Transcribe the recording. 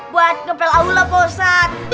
buat ngepel aula pak ustadz